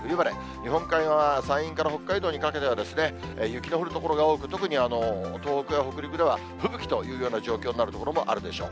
日本海側は山陰から北海道にかけては、雪の降る所が多く、特に東北や北陸では吹雪というような状況になる所もあるでしょう。